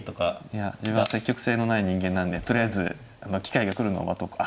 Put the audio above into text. いや自分は積極性のない人間なんでとりあえず機会が来るのを待とう。